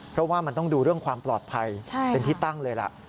เพราะว่ามันต้องดูเรื่องความปลอดภัยเป็นที่ตั้งเลยล่ะ